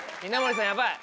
ヤバい。